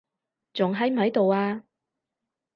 仲喺唔喺度啊？